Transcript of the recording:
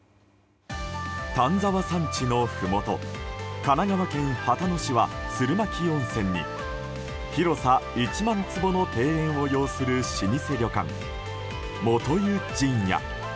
丹沢山地のふもと神奈川県秦野市は鶴巻温泉に広さ１万坪の庭園を擁する老舗旅館元湯陣屋。